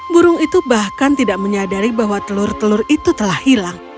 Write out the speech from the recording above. burung itu bahkan tidak menyadari bahwa telur telur itu telah hilang